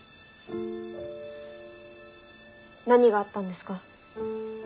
何があったんですか？